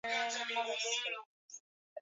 Wewe Mungu ni mtakatifu.